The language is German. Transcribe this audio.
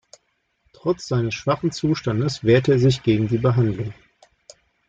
Trotz seines schwachen Zustandes wehrte er sich gegen die Behandlung.